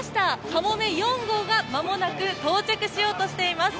「かもめ４号」が間もなく到着しようとしています。